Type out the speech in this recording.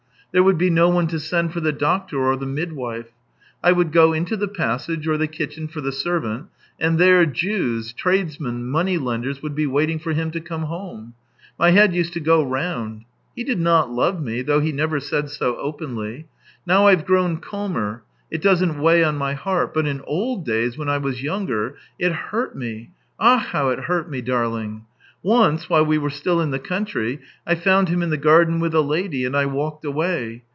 There would be no one to send for the doctor or the midwife. I would go into the passage or the kitchen for the servant, and there Jews, tradesmen, moneylenders, would be waiting for him to come home. My head used to go round. ... He did not love me, though he never said so openly. Now I've grown calmer — it doesn't weigh on my heart ; but in old days, when I was younger, it hurt me — ach ! how it hurt me, darling ! Once — while we were still in the country — I found him in the garden with a lady, and I walked away.